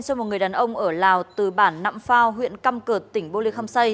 cho một người đàn ông ở lào từ bản nạm phao huyện căm cợt tỉnh bô lê khâm xây